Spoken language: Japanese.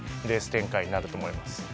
レース展開になると思います。